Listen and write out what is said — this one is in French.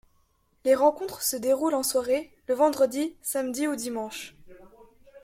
Les rencontres se déroulent en soirée, le vendredi, samedi ou dimanche.